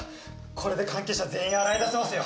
これで関係者全員洗い出せますよ！